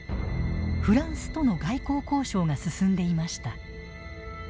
フランスとの外交交渉が進んでいました。